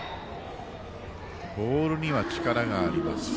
ボールには力があります。